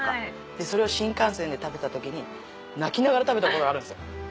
でそれを新幹線で食べた時に泣きながら食べたことがあるんですよ。